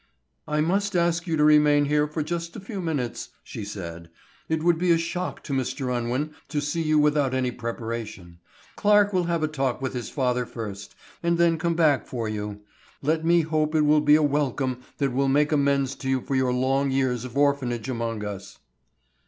"I must ask you to remain here for just a few minutes," said she. "It would be a shock to Mr. Unwin to see you without any preparation. Clarke will have a talk with his father first, and then come back for you. Let me hope it will be with a welcome that will make amends to you for your long years of orphanage among us."